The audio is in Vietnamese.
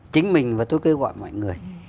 chính mình và tôi kêu gọi mọi người